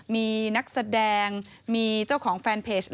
มีนักแสดงมีเจ้าของแฟนเพจ